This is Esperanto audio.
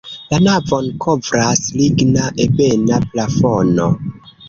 La navon kovras ligna ebena plafono.